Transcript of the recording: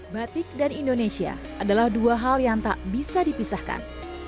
batik dan indonesia adalah dua hal yang tak bisa dipisahkan